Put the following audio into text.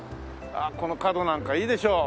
この角なんかいいでしょう。